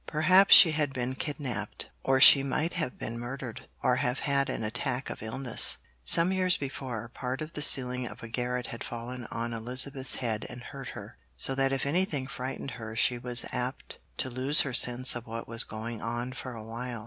Perhaps she had been kidnapped, or she might have been murdered, or have had an attack of illness. Some years before, part of the ceiling of a garret had fallen on Elizabeth's head and hurt her, so that if anything frightened her she was apt to lose her sense of what was going on for a while.